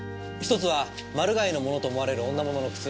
１つはマルガイのものと思われる女物の靴。